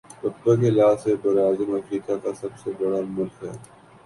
رقبے کے لحاظ سے براعظم افریقہ کا سب بڑا ملک ہے